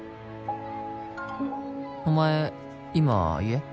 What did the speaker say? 「お前今家？」